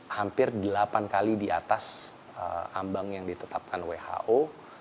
hampir delapan kali di atas ambang yang ditetapkan who